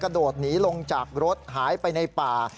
โดดหนีลงจากรถหายไปในป่า